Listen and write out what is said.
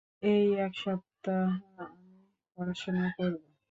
এই এক সপ্তাহ আমি পড়াশোনা করব।